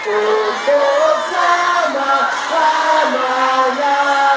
untuk selama lama